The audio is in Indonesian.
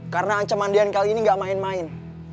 karena ancaman dian kali ini gak main main